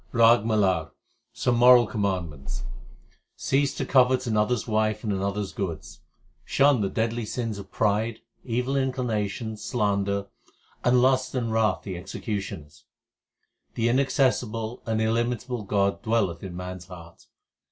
RAG MALAR Some moral commandments : Cease to covet another s wife and another s goods ; shun the deadly sins of pride, Evil inclinations, slander, and lust and wrath the execu tioners. The inaccessible and illimitable God dwelleth in man s heart.